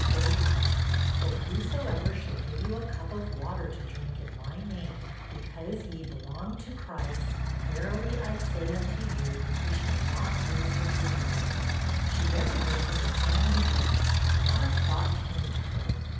41 ;" For whosoever shall give you a cup of water to drink in my name, because ye belong to Christ, verily I say unto you, he shall not lose his reward." She read the verses again and again, but not a thought came to her.